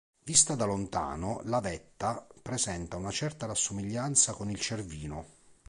Vista da lontano, la vetta presenta una certa rassomiglianza con il Cervino.